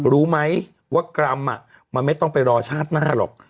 รู้ไหมว่ากรรมมันไม่ต้องไปรอชาติหน้าหรอก